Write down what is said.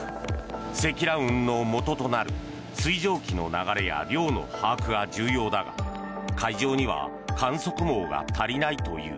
積乱雲のもととなる水蒸気の流れや量の把握が重要だが海上には観測網が足りないという。